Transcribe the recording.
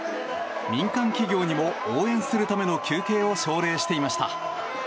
民間企業にも応援するための休憩を奨励していました。